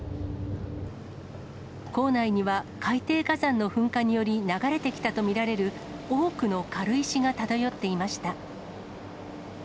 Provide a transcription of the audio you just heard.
港内には海底火山の噴火により流れてきたと見られる、多くの軽石が漂っていました。